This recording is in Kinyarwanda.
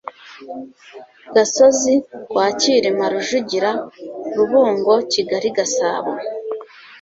Gasozi kwa Cyilima Rujugira Rubungo Kigali Gasabo